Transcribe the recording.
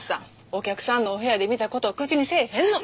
お客さんのお部屋で見た事を口にせえへんの。